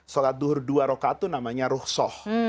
sholat duhur dua roka itu namanya ruksoh